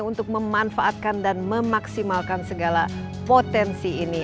untuk memanfaatkan dan memaksimalkan segala potensi ini